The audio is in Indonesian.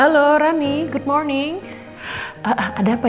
terima kasih allah